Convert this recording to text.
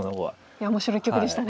いや面白い一局でしたね。